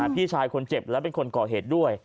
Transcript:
พี่ชายคนเจ็บและเป็นคนก่อเหตุด้วย